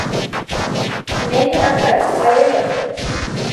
Нени акай, каеныт...